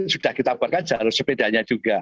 sudah kita buatkan jalur sepedanya juga